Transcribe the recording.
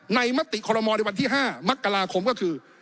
มติคอลโมในวันที่๕มกราคมก็คือ